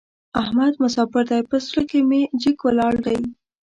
احمد مساپر دی؛ په زړه کې مې جګ ولاړ دی.